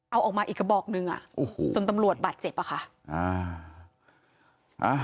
เอาออกมาอีกกระบอกหนึ่งอ่ะโอ้โหจนตำรวจบาดเจ็บอ่ะค่ะอ่า